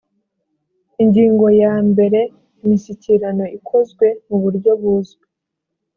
ingingo ya mbere imishyikirano ikozwe mu buryo buzwi